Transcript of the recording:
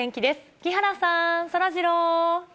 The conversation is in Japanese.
木原さん、そらジロー。